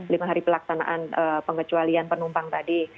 lima hari pelaksanaan pengecualian penumpang tadi